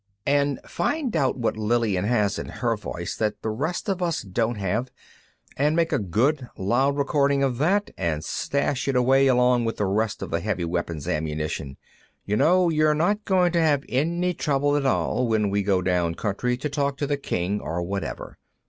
And find out what Lillian has in her voice that the rest of us don't have, and make a good loud recording of that, and stash it away along with the rest of the heavy weapons ammunition. You know, you're not going to have any trouble at all, when we go down country to talk to the king or whatever.